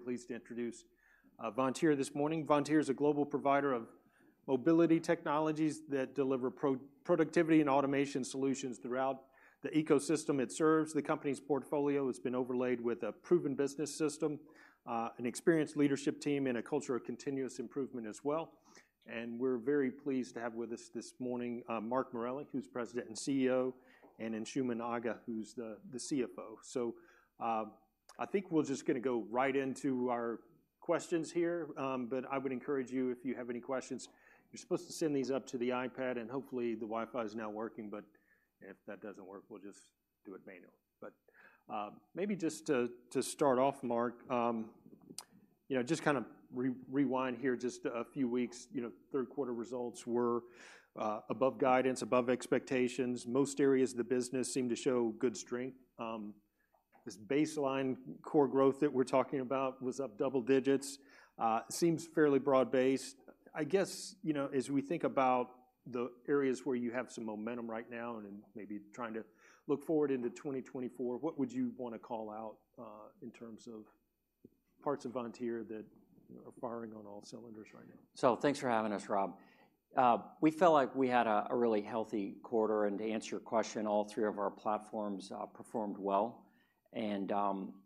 Very pleased to introduce Vontier this morning. Vontier is a global provider of mobility technologies that deliver productivity and automation solutions throughout the ecosystem it serves. The company's portfolio has been overlaid with a proven business system, an experienced leadership team, and a culture of continuous improvement as well. And we're very pleased to have with us this morning Mark Morelli, who's President and CEO, and Anshooman Aga, who's the CFO. So, I think we're just gonna go right into our questions here. But I would encourage you, if you have any questions, you're supposed to send these up to the iPad, and hopefully, the Wi-Fi is now working, but if that doesn't work, we'll just do it manually. But, maybe just to start off, Mark, you know, just kind of rewind here just a few weeks. You know, third quarter results were above guidance, above expectations. Most areas of the business seemed to show good strength. This baseline core growth that we're talking about was up double digits, seems fairly broad-based. I guess, you know, as we think about the areas where you have some momentum right now, and then maybe trying to look forward into 2024, what would you want to call out in terms of parts of Vontier that, you know, are firing on all cylinders right now? So thanks for having us, Rob. We felt like we had a really healthy quarter, and to answer your question, all three of our platforms performed well.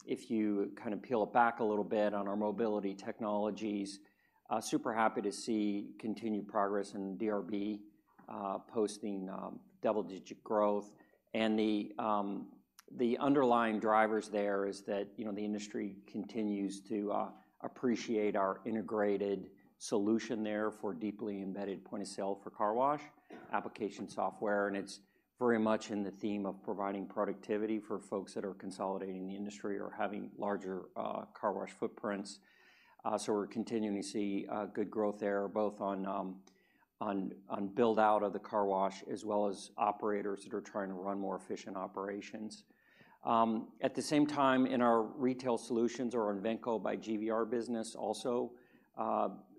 If you kind of peel it back a little bit on our mobility technologies, super happy to see continued progress in DRB, posting double-digit growth. The underlying drivers there is that, you know, the industry continues to appreciate our integrated solution there for deeply embedded point-of-sale for car wash application software. It's very much in the theme of providing productivity for folks that are consolidating the industry or having larger car wash footprints. So we're continuing to see good growth there, both on build-out of the car wash, as well as operators that are trying to run more efficient operations. At the same time, in our retail solutions or our Invenco by GVR business, also,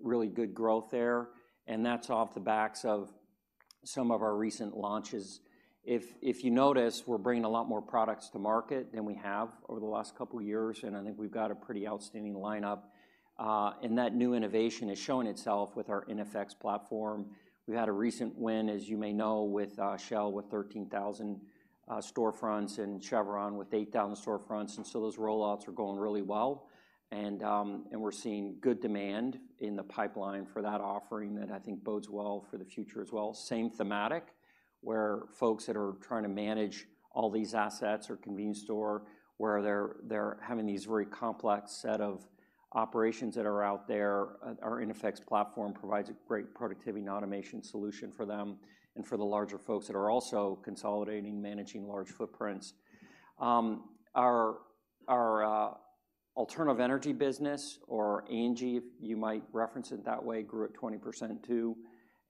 really good growth there, and that's off the backs of some of our recent launches. If you notice, we're bringing a lot more products to market than we have over the last couple of years, and I think we've got a pretty outstanding lineup. And that new innovation is showing itself with our iNFX platform. We had a recent win, as you may know, with Shell, with 13,000 storefronts and Chevron with 8,000 storefronts, and so those rollouts are going really well. And we're seeing good demand in the pipeline for that offering that I think bodes well for the future as well. Same thematic, where folks that are trying to manage all these assets or convenience store, where they're having these very complex set of operations that are out there, our iNFX platform provides a great productivity and automation solution for them and for the larger folks that are also consolidating, managing large footprints. Our alternative energy business, or ANGI, you might reference it that way, grew at 20% too,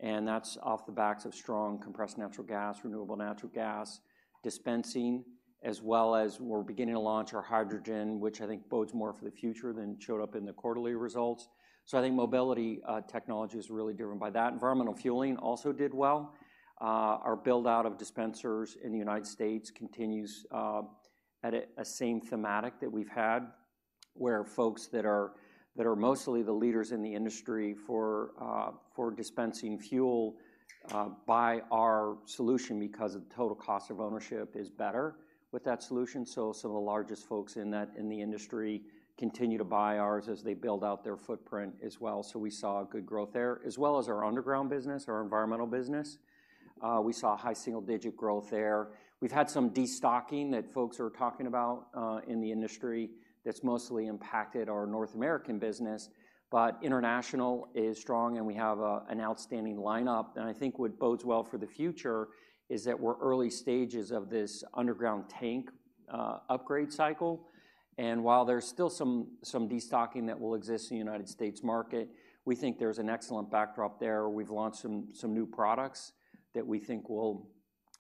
and that's off the backs of strong compressed natural gas, renewable natural gas, dispensing, as well as we're beginning to launch our hydrogen, which I think bodes more for the future than showed up in the quarterly results. So I think mobility technology is really driven by that. Environmental fueling also did well. Our build-out of dispensers in the United States continues at a same thematic that we've had, where folks that are mostly the leaders in the industry for dispensing fuel buy our solution because the total cost of ownership is better with that solution. So some of the largest folks in that in the industry continue to buy ours as they build out their footprint as well. So we saw a good growth there, as well as our underground business, our environmental business. We saw high single-digit growth there. We've had some destocking that folks are talking about in the industry that's mostly impacted our North American business, but international is strong, and we have an outstanding lineup. I think what bodes well for the future is that we're early stages of this underground tank upgrade cycle. While there's still some destocking that will exist in the United States market, we think there's an excellent backdrop there. We've launched some new products that we think will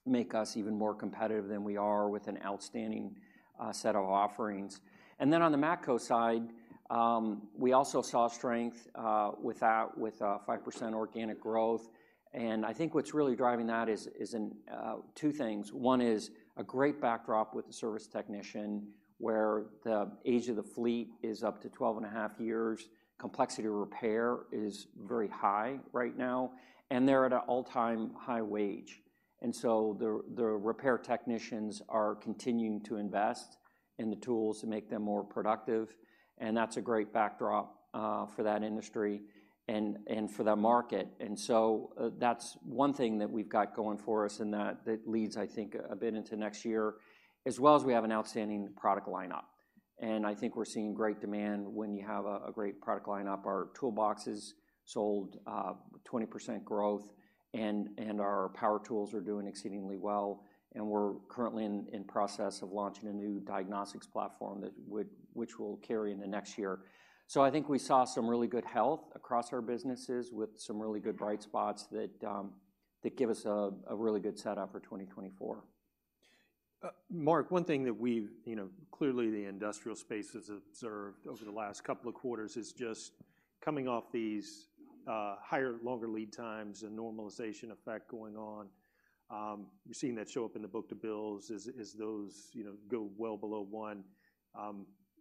make us even more competitive than we are with an outstanding set of offerings. And then on the Matco side, we also saw strength with that 5% organic growth. And I think what's really driving that is in two things. One is a great backdrop with the service technician, where the age of the fleet is up to 12.5 years. Complexity of repair is very high right now, and they're at an all-time high wage. And so the repair technicians are continuing to invest in the tools to make them more productive, and that's a great backdrop for that industry and for that market. And so, that's one thing that we've got going for us, and that, that leads, I think, a bit into next year, as well as we have an outstanding product lineup. And I think we're seeing great demand when you have a, a great product lineup. Our toolboxes sold 20% growth, and our power tools are doing exceedingly well, and we're currently in, in process of launching a new diagnostics platform which will carry into next year. So I think we saw some really good health across our businesses with some really good bright spots that give us a, a really good setup for 2024. Mark, one thing that we've—you know, clearly, the industrial space has observed over the last couple of quarters is just coming off these higher, longer lead times and normalization effect going on. We've seen that show up in the book-to-bill, as those, you know, go well below 1.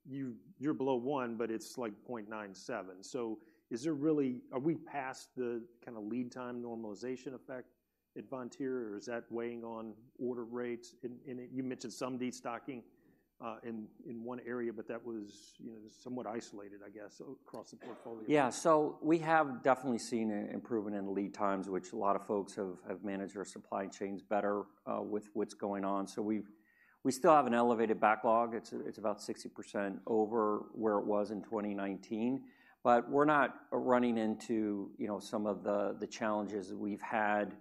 You're below 1, but it's like 0.97. So is there really? Are we past the kind of lead time normalization effect at Vontier, or is that weighing on order rates? And you mentioned some destocking in one area, but that was, you know, somewhat isolated, I guess, across the portfolio. Yeah, so we have definitely seen an improvement in lead times, which a lot of folks have managed their supply chains better with what's going on. So we still have an elevated backlog. It's about 60% over where it was in 2019. But we're not running into, you know, some of the challenges that we've had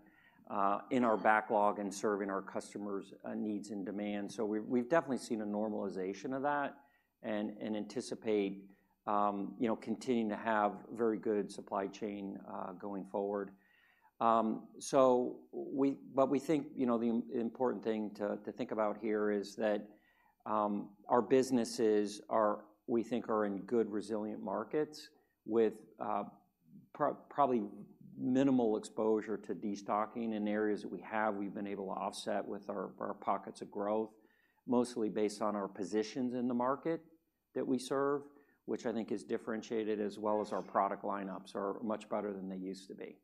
in our backlog and serving our customers' needs and demands. So we've definitely seen a normalization of that and anticipate, you know, continuing to have very good supply chain going forward. But we think, you know, the important thing to think about here is that our businesses are, we think, are in good, resilient markets with probably minimal exposure to destocking. In areas that we have, we've been able to offset with our, our pockets of growth, mostly based on our positions in the market that we serve, which I think is differentiated, as well as our product lineups are much better than they used to be.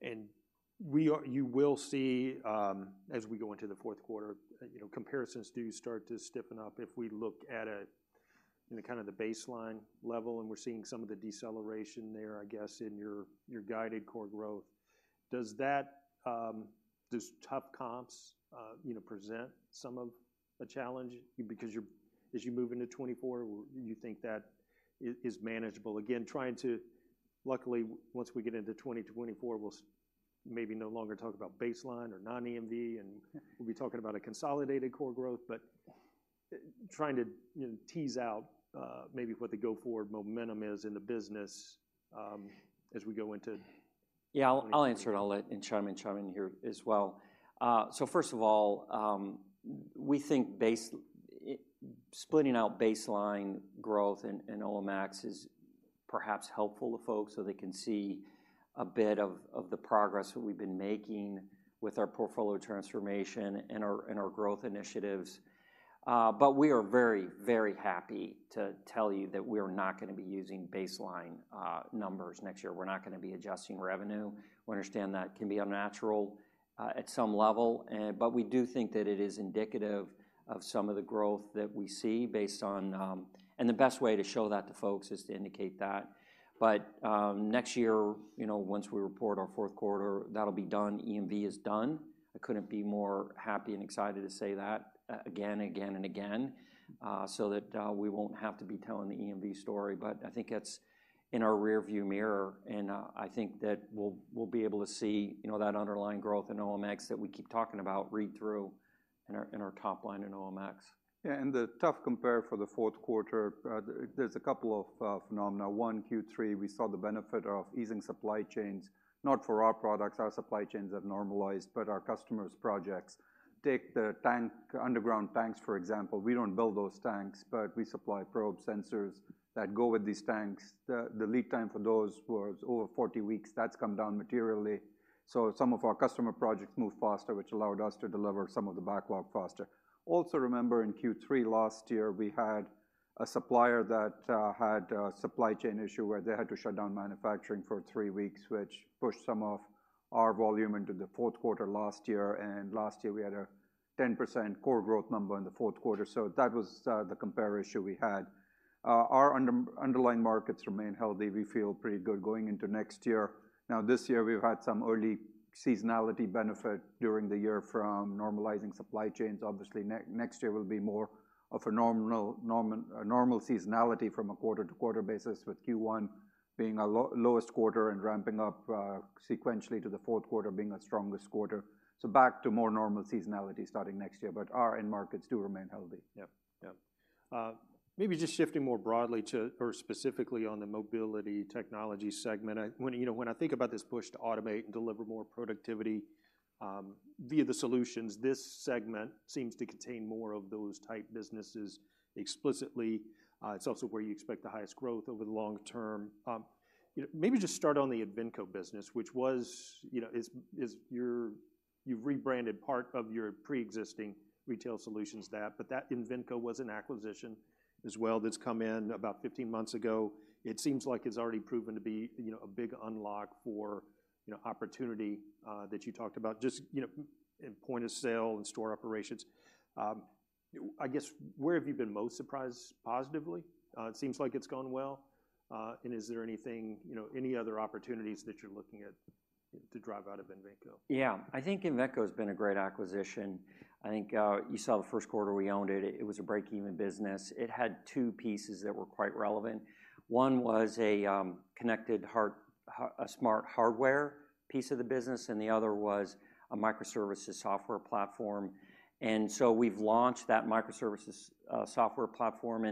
And we are-- you will see, as we go into the fourth quarter, you know, comparisons do start to stiffen up. If we look at, you know, kind of the baseline level, and we're seeing some of the deceleration there, I guess, in your, your guided core growth. Does that... Does tough comps, you know, present some of a challenge because you're-- as you move into 2024, or do you think that is, is manageable? Again, trying to... Luckily, once we get into 2024, we'll maybe no longer talk about baseline or non-EMV, and-- we'll be talking about a consolidated core growth. But, trying to, you know, tease out, maybe what the go-forward momentum is in the business, as we go into- Yeah, I'll answer it, and I'll let Anshooman chime in here as well. So first of all, we think splitting out baseline growth in ex-EMV is perhaps helpful to folks, so they can see a bit of the progress that we've been making with our portfolio transformation and our growth initiatives. But we are very, very happy to tell you that we are not gonna be using baseline numbers next year. We're not gonna be adjusting revenue. We understand that can be unnatural at some level, but we do think that it is indicative of some of the growth that we see based on... And the best way to show that to folks is to indicate that. But next year, you know, once we report our fourth quarter, that'll be done. EMV is done. I couldn't be more happy and excited to say that again, again, and again, so that we won't have to be telling the EMV story. But I think that's in our rearview mirror, and I think that we'll be able to see, you know, that underlying growth in ex-EMV that we keep talking about read through in our top line in ex-EMV. Yeah, and the tough compare for the fourth quarter, there's a couple of phenomena. One, Q3, we saw the benefit of easing supply chains, not for our products, our supply chains have normalized, but our customers' projects. Take the tank, underground tanks, for example. We don't build those tanks, but we supply probe sensors that go with these tanks. The lead time for those was over 40 weeks. That's come down materially. So some of our customer projects moved faster, which allowed us to deliver some of the backlog faster. Also, remember in Q3 last year, we had a supplier that had a supply chain issue, where they had to shut down manufacturing for 3 weeks, which pushed some of our volume into the fourth quarter last year. And last year, we had a 10% core growth number in the fourth quarter. So that was the compare issue we had. Our underlying markets remain healthy. We feel pretty good going into next year. Now, this year, we've had some early seasonality benefit during the year from normalizing supply chains. Obviously, next year will be more of a normal seasonality from a quarter-to-quarter basis, with Q1 being our lowest quarter and ramping up sequentially to the fourth quarter being our strongest quarter. So back to more normal seasonality starting next year, but our end markets do remain healthy. Yep. Yep. Maybe just shifting more broadly to, or specifically on the mobility technology segment. You know, when I think about this push to automate and deliver more productivity via the solutions, this segment seems to contain more of those type businesses explicitly. It's also where you expect the highest growth over the long term. You know, maybe just start on the Invenco business, which, you know, is your—You've rebranded part of your preexisting retail solutions staff, but that Invenco was an acquisition as well that's come in about 15 months ago. It seems like it's already proven to be, you know, a big unlock for, you know, opportunity that you talked about, just, you know, in point of sale and store operations. I guess, where have you been most surprised positively? It seems like it's gone well. Is there anything, you know, any other opportunities that you're looking at to drive out of Invenco? Yeah, I think Invenco has been a great acquisition. I think, you saw the first quarter we owned it. It was a break-even business. It had two pieces that were quite relevant. One was a connected, smart hardware piece of the business, and the other was a microservices software platform. And so we've launched that microservices software platform,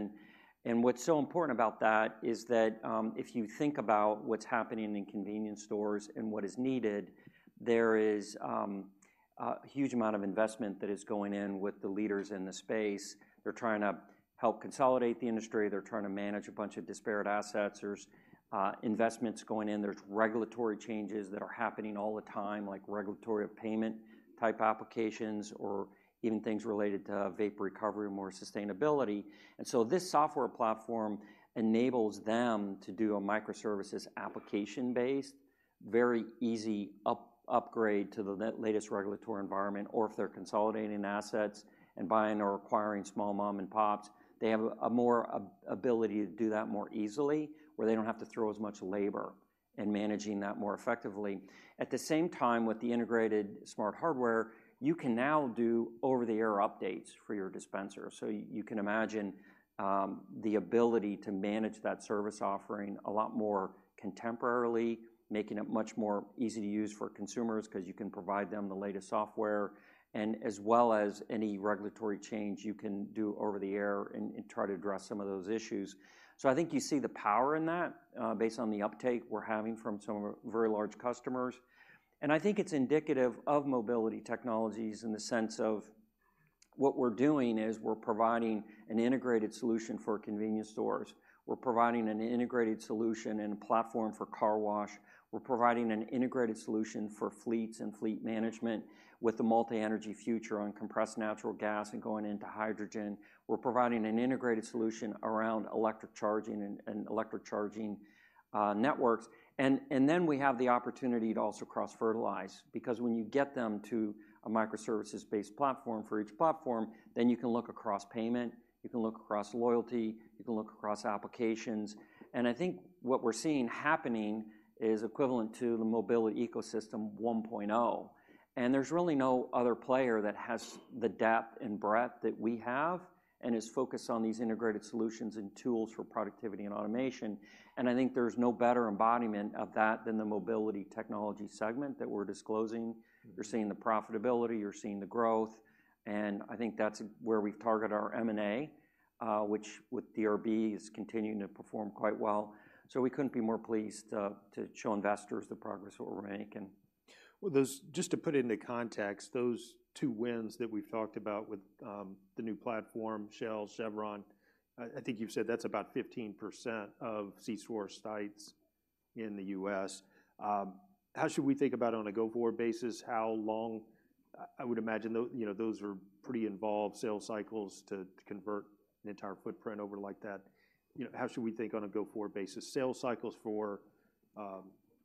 and what's so important about that is that if you think about what's happening in convenience stores and what is needed, there is a huge amount of investment that is going in with the leaders in the space. They're trying to help consolidate the industry. They're trying to manage a bunch of disparate assets. There's investments going in. There's regulatory changes that are happening all the time, like regulatory payment type applications or even things related to vapor recovery and more sustainability. So this software platform enables them to do a microservices application base, very easy upgrade to the latest regulatory environment, or if they're consolidating assets and buying or acquiring small mom and pops, they have a more ability to do that more easily, where they don't have to throw as much labor in managing that more effectively. At the same time, with the integrated smart hardware, you can now do over-the-air updates for your dispenser. So you can imagine the ability to manage that service offering a lot more contemporarily, making it much more easy to use for consumers, 'cause you can provide them the latest software, and as well as any regulatory change you can do over-the-air and try to address some of those issues. So I think you see the power in that, based on the uptake we're having from some of our very large customers. And I think it's indicative of mobility technologies in the sense of what we're doing is we're providing an integrated solution for convenience stores. We're providing an integrated solution and a platform for car wash. We're providing an integrated solution for fleets and fleet management with the multi-energy future on compressed natural gas and going into hydrogen. We're providing an integrated solution around electric charging and, and electric charging networks. And, and then we have the opportunity to also cross-fertilize, because when you get them to a microservices-based platform for each platform, then you can look across payment, you can look across loyalty, you can look across applications. And I think what we're seeing happening is equivalent to the mobility ecosystem 1.0. There's really no other player that has the depth and breadth that we have and is focused on these integrated solutions and tools for productivity and automation, and I think there's no better embodiment of that than the mobility technology segment that we're disclosing. You're seeing the profitability, you're seeing the growth, and I think that's where we target our M&A, which with DRB is continuing to perform quite well. We couldn't be more pleased to show investors the progress that we're making. Well, just to put it into context, those two wins that we've talked about with the new platform, Shell, Chevron, I think you've said that's about 15% of c-store sites in the U.S. How should we think about on a go-forward basis, how long... I would imagine you know, those are pretty involved sales cycles to convert an entire footprint over like that. You know, how should we think on a go-forward basis, sales cycles for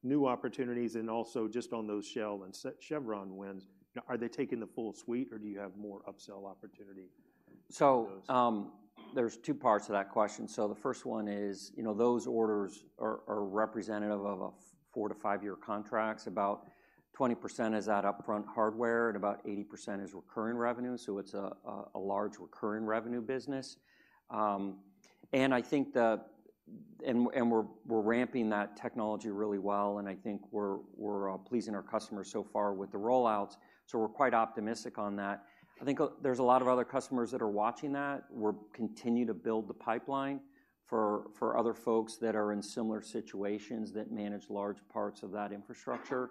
new opportunities, and also just on those Shell and Chevron wins, are they taking the full suite, or do you have more upsell opportunity for those? So, there's two parts to that question. So the first one is, you know, those orders are representative of four- to five-year contracts. About 20% is that upfront hardware, and about 80% is recurring revenue, so it's a large recurring revenue business. And I think, and we're ramping that technology really well, and I think we're pleasing our customers so far with the rollouts, so we're quite optimistic on that. I think there's a lot of other customers that are watching that. We're continuing to build the pipeline for other folks that are in similar situations that manage large parts of that infrastructure,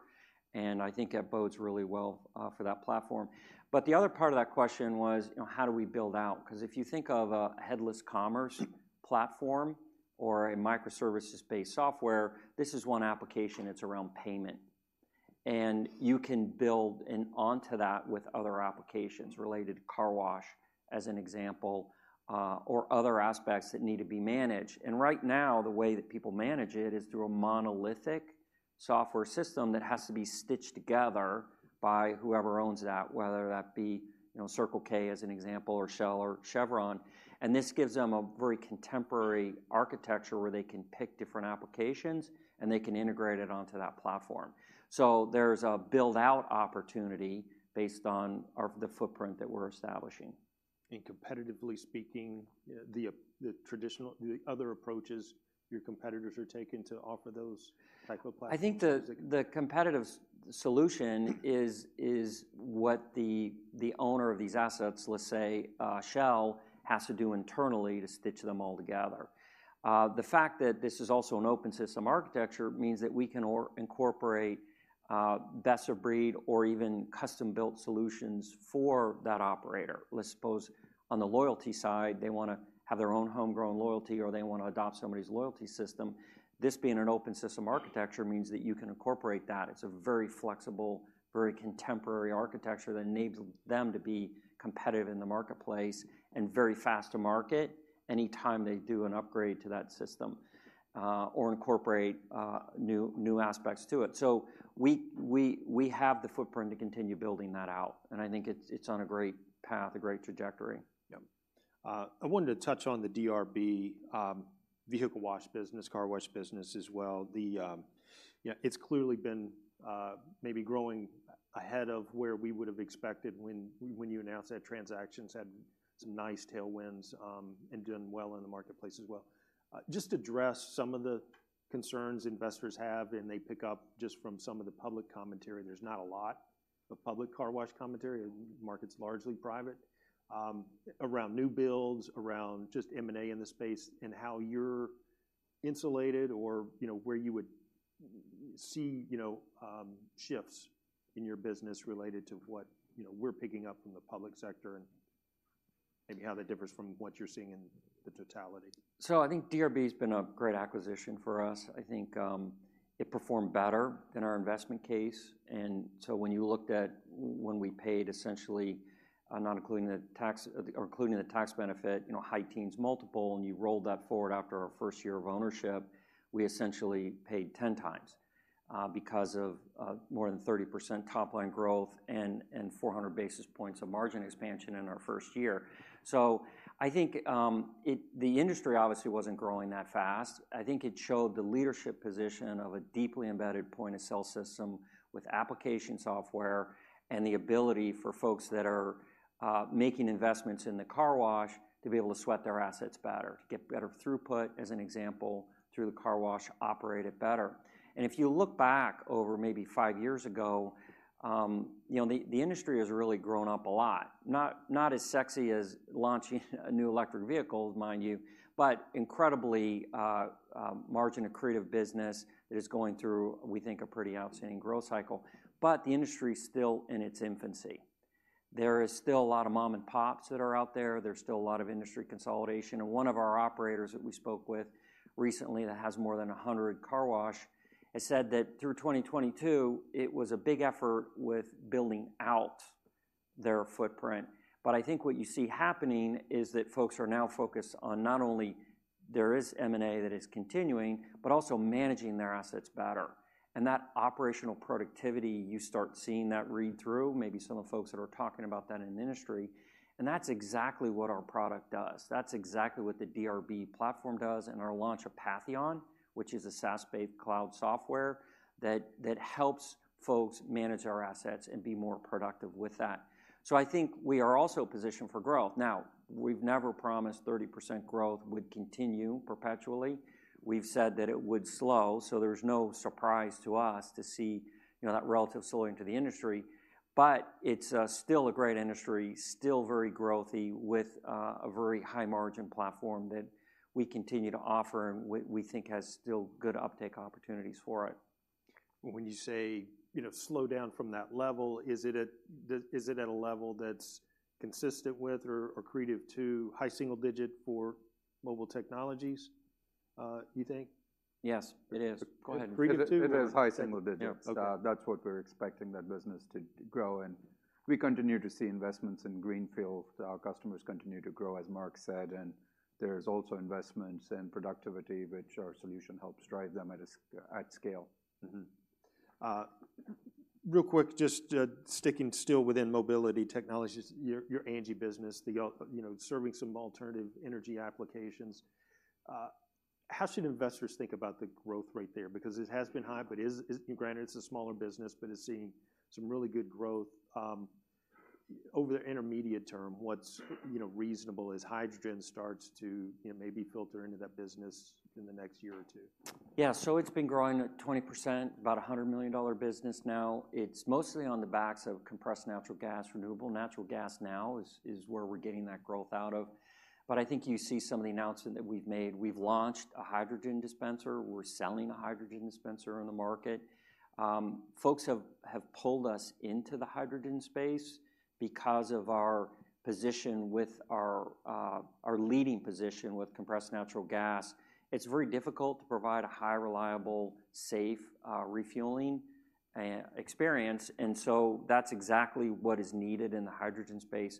and I think that bodes really well for that platform. But the other part of that question was, you know, how do we build out? 'Cause if you think of a headless commerce platform or a microservices-based software, this is one application that's around payment, and you can build in onto that with other applications related to car wash, as an example, or other aspects that need to be managed. And right now, the way that people manage it is through a monolithic software system that has to be stitched together by whoever owns that, whether that be, you know, Circle K, as an example, or Shell or Chevron. And this gives them a very contemporary architecture, where they can pick different applications, and they can integrate it onto that platform. So there's a build-out opportunity based on our, the footprint that we're establishing. Competitively speaking, the traditional—the other approaches your competitors are taking to offer those type of platforms- I think the competitive solution is what the owner of these assets, let's say, Shell, has to do internally to stitch them all together. The fact that this is also an open system architecture means that we can incorporate best-of-breed or even custom-built solutions for that operator. Let's suppose on the loyalty side, they wanna have their own homegrown loyalty, or they want to adopt somebody's loyalty system; this being an open system architecture means that you can incorporate that. It's a very flexible, very contemporary architecture that enables them to be competitive in the marketplace and very fast to market anytime they do an upgrade to that system, or incorporate new aspects to it. So we have the footprint to continue building that out, and I think it's on a great path, a great trajectory. Yep. I wanted to touch on the DRB, vehicle wash business, car wash business as well. The... You know, it's clearly been, maybe growing ahead of where we would've expected when you announced that transaction. It's had some nice tailwinds, and doing well in the marketplace as well. Just to address some of the concerns investors have, and they pick up just from some of the public commentary, there's not a lot of public car wash commentary, the market's largely private, around new builds, around just M&A in the space, and how you're insulated or, you know, where you would see, you know, shifts in your business related to what, you know, we're picking up from the public sector and-... maybe how that differs from what you're seeing in the totality? So I think DRB has been a great acquisition for us. I think it performed better than our investment case. So when you looked at when we paid essentially, not including the tax, or including the tax benefit, you know, high teens multiple, and you rolled that forward after our first year of ownership, we essentially paid 10x because of more than 30% top line growth and 400 basis points of margin expansion in our first year. So I think it, the industry obviously wasn't growing that fast. I think it showed the leadership position of a deeply embedded point-of-sale system with application software, and the ability for folks that are making investments in the car wash to be able to sweat their assets better, to get better throughput, as an example, through the car wash, operate it better. And if you look back over maybe five years ago, you know, the industry has really grown up a lot. Not as sexy as launching a new electric vehicle, mind you, but incredibly, margin accretive business that is going through, we think, a pretty outstanding growth cycle. But the industry is still in its infancy. There is still a lot of mom-and-pops that are out there. There's still a lot of industry consolidation, and one of our operators that we spoke with recently that has more than 100 car wash, has said that through 2022, it was a big effort with building out their footprint. But I think what you see happening is that folks are now focused on not only there is M&A that is continuing, but also managing their assets better. And that operational productivity, you start seeing that read through, maybe some of the folks that are talking about that in the industry, and that's exactly what our product does. That's exactly what the DRB platform does, and our launch of Patheon, which is a SaaS-based cloud software, that helps folks manage our assets and be more productive with that. So I think we are also positioned for growth. Now, we've never promised 30% growth would continue perpetually. We've said that it would slow, so there's no surprise to us to see, you know, that relative slowing to the industry. But it's still a great industry, still very growthy, with a very high margin platform that we continue to offer and we, we think has still good uptake opportunities for it. When you say, you know, slow down from that level, is it at a level that's consistent with or accretive to high single digit for mobile technologies, you think? Yes, it is. Go ahead. Accretive to? It is high single digits. Yeah. Okay. That's what we're expecting that business to grow, and we continue to see investments in greenfield. Our customers continue to grow, as Mark said, and there's also investments in productivity, which our solution helps drive them at scale. Mm-hmm. Real quick, just sticking still within mobility technologies, your ANGI business, the you know, serving some alternative energy applications, how should investors think about the growth rate there? Because it has been high, but is... And granted, it's a smaller business, but it's seeing some really good growth. Over the intermediate term, what's reasonable as hydrogen starts to, you know, maybe filter into that business in the next year or two? Yeah, so it's been growing at 20%, about a $100 million business now. It's mostly on the backs of compressed natural gas. Renewable natural gas now is where we're getting that growth out of. But I think you see some of the announcement that we've made. We've launched a hydrogen dispenser. We're selling a hydrogen dispenser in the market. Folks have pulled us into the hydrogen space because of our position with our leading position with compressed natural gas. It's very difficult to provide a highly reliable, safe refueling experience, and so that's exactly what is needed in the hydrogen space.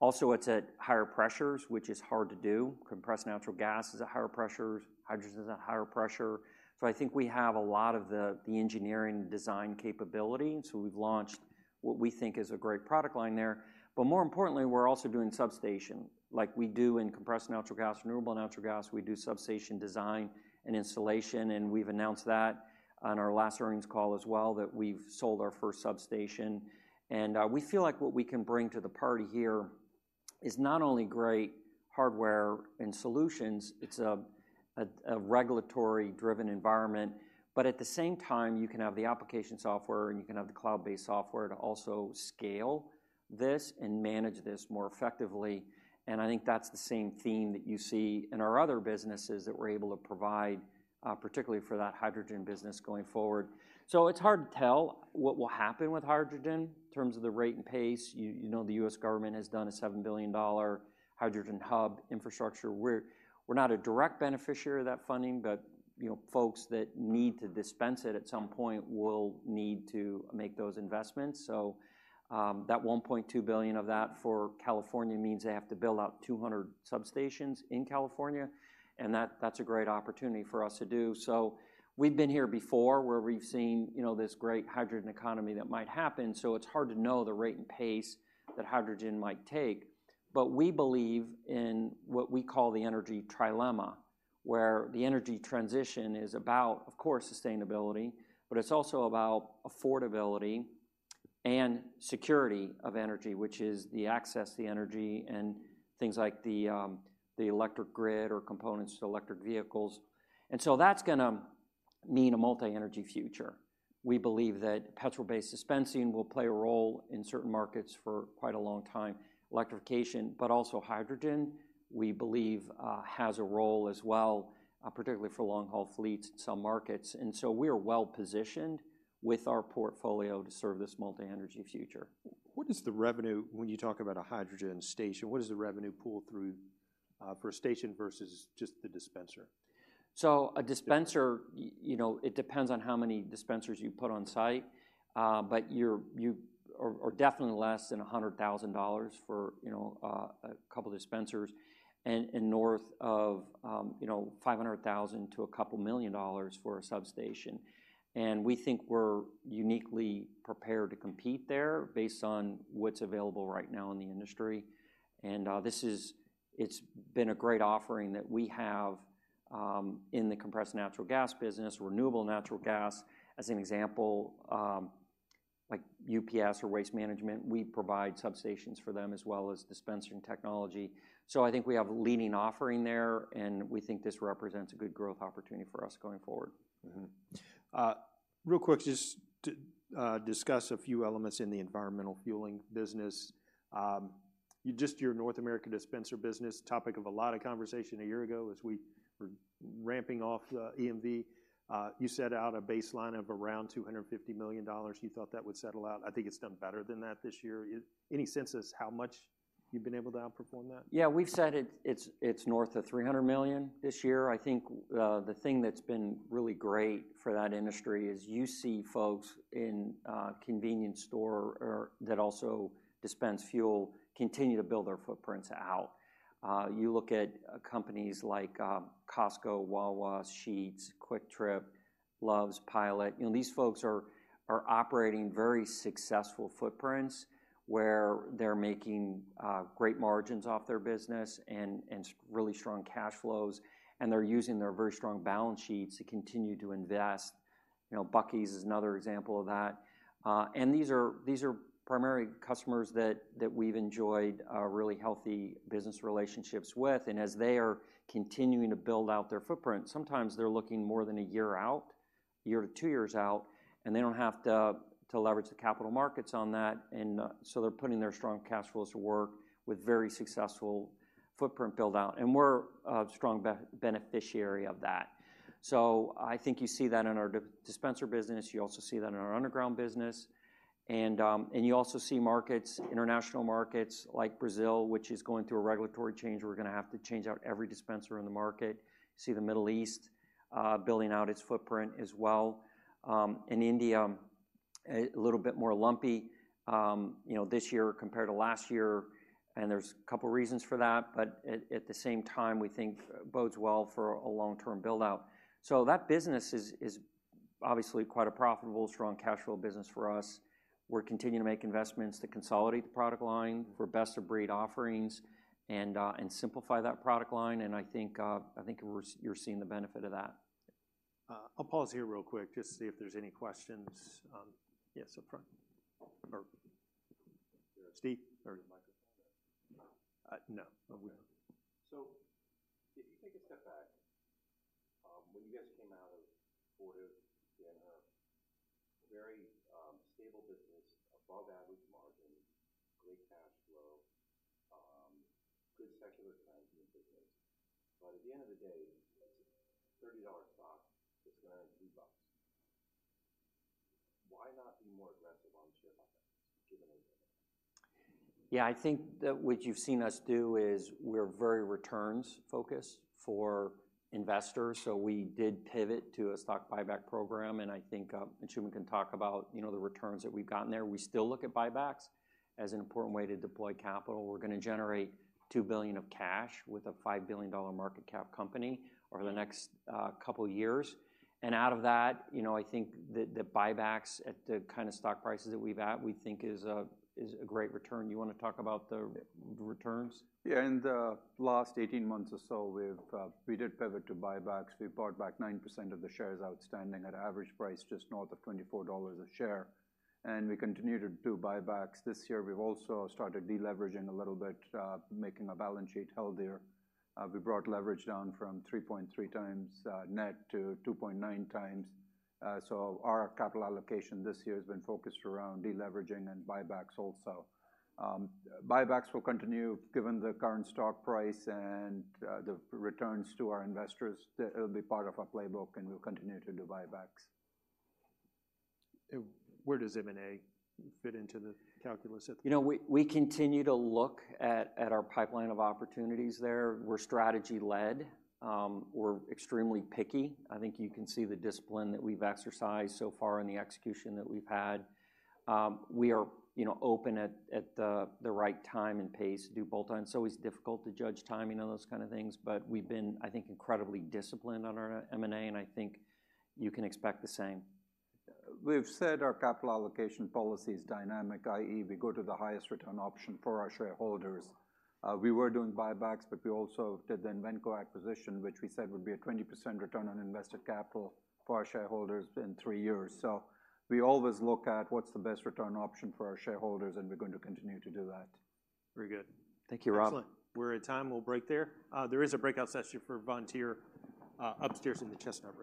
Also, it's at higher pressures, which is hard to do. Compressed natural gas is at higher pressures, hydrogen is at higher pressure. So I think we have a lot of the engineering design capability, and so we've launched what we think is a great product line there. But more importantly, we're also doing substation. Like we do in compressed natural gas, renewable natural gas, we do substation design and installation, and we've announced that on our last earnings call as well, that we've sold our first substation. We feel like what we can bring to the party here is not only great hardware and solutions, it's a regulatory-driven environment. But at the same time, you can have the application software, and you can have the cloud-based software to also scale this and manage this more effectively. And I think that's the same theme that you see in our other businesses that we're able to provide, particularly for that hydrogen business going forward. So it's hard to tell what will happen with hydrogen in terms of the rate and pace. You know, the U.S. government has done a $7 billion hydrogen hub infrastructure. We're not a direct beneficiary of that funding, but, you know, folks that need to dispense it at some point will need to make those investments. So, that $1.2 billion of that for California means they have to build out 200 stations in California, and that's a great opportunity for us to do. So we've been here before, where we've seen, you know, this great hydrogen economy that might happen, so it's hard to know the rate and pace that hydrogen might take. But we believe in what we call the energy trilemma, where the energy transition is about, of course, sustainability, but it's also about affordability and security of energy, which is the access to energy and things like the electric grid or components to electric vehicles. And so that's gonna mean a multi-energy future. We believe that petrol-based dispensing will play a role in certain markets for quite a long time. Electrification, but also hydrogen, we believe, has a role as well, particularly for long-haul fleets in some markets. And so we are well-positioned with our portfolio to serve this multi-energy future. What is the revenue, when you talk about a hydrogen station, what is the revenue pull through per station versus just the dispenser? So a dispenser, you know, it depends on how many dispensers you put on site. But you are definitely less than $100,000 for, you know, a couple dispensers. And north of, you know, $500,000 to a couple million dollars for a substation. And we think we're uniquely prepared to compete there based on what's available right now in the industry. And this is. It's been a great offering that we have in the compressed natural gas business, renewable natural gas. As an example, like UPS or Waste Management, we provide substations for them, as well as dispensing technology. So I think we have a leading offering there, and we think this represents a good growth opportunity for us going forward. Mm-hmm. Real quick, just to discuss a few elements in the environmental fueling business. Just your North American dispenser business, topic of a lot of conversation a year ago as we were ramping off EMV. You set out a baseline of around $250 million you thought that would settle out. I think it's done better than that this year. Any sense as how much you've been able to outperform that? Yeah, we've said it, it's north of $300 million this year. I think the thing that's been really great for that industry is you see folks in convenience store or that also dispense fuel, continue to build their footprints out. You look at companies like Costco, Wawa, Sheetz, Kwik Trip, Love's, Pilot, you know, these folks are operating very successful footprints, where they're making great margins off their business and really strong cash flows, and they're using their very strong balance sheets to continue to invest. You know, Buc-ee's is another example of that. And these are primary customers that we've enjoyed really healthy business relationships with. As they are continuing to build out their footprint, sometimes they're looking more than a year out, year to two years out, and they don't have to leverage the capital markets on that. So they're putting their strong cash flows to work with very successful footprint build-out, and we're a strong beneficiary of that. So I think you see that in our dispenser business, you also see that in our underground business. You also see markets, international markets like Brazil, which is going through a regulatory change. We're gonna have to change out every dispenser in the market. See the Middle East building out its footprint as well. In India, a little bit more lumpy, you know, this year compared to last year, and there's a couple reasons for that. But at the same time, we think bodes well for a long-term build-out. So that business is obviously quite a profitable, strong cash flow business for us. We're continuing to make investments to consolidate the product line for best-of-breed offerings and and simplify that product line, and I think you're seeing the benefit of that. I'll pause here real quick just to see if there's any questions... Yes, up front. Or Steve, or- Microphone? No. We don't- If you take a step back, when you guys came out of Fortive, then a very stable business, above average margin, great cash flow, good secular trends in the business. But at the end of the day, it's a $30 stock that's down to $2. Why not be more aggressive on share buybacks, given the- Yeah, I think that what you've seen us do is we're very returns-focused for investors, so we did pivot to a stock buyback program. And I think, and Anshooman can talk about, you know, the returns that we've gotten there. We still look at buybacks as an important way to deploy capital. We're gonna generate $2 billion of cash with a $5 billion market cap company over the next couple years. And out of that, you know, I think the buybacks at the kind of stock prices that we've at, we think is a great return. You wanna talk about the returns? Yeah, in the last 18 months or so, we've, we did pivot to buybacks. We bought back 9% of the shares outstanding at average price just north of $24 a share, and we continue to do buybacks. This year, we've also started deleveraging a little bit, making our balance sheet healthier. We brought leverage down from 3.3 times, net to 2.9 times. So our capital allocation this year has been focused around deleveraging and buybacks also. Buybacks will continue given the current stock price and the returns to our investors. That it'll be part of our playbook, and we'll continue to do buybacks. Where does M&A fit into the calculus at the- You know, we continue to look at our pipeline of opportunities there. We're strategy-led. We're extremely picky. I think you can see the discipline that we've exercised so far and the execution that we've had. We are, you know, open at the right time and pace to do both. It's always difficult to judge timing on those kind of things, but we've been, I think, incredibly disciplined on our M&A, and I think you can expect the same. We've said our capital allocation policy is dynamic, i.e., we go to the highest return option for our shareholders. We were doing buybacks, but we also did the Invenco acquisition, which we said would be a 20% return on invested capital for our shareholders in three years. We always look at what's the best return option for our shareholders, and we're going to continue to do that. Very good. Thank you, Rob. Excellent. We're at time. We'll break there. There is a breakout session for Vontier upstairs in the Chestnut Room.